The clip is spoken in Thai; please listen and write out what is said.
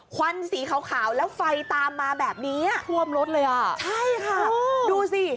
ควันสีขาวขาวแล้วไฟตามมาแบบนี้ท่วมรถเลยอ่ะใช่ค่ะดูสิ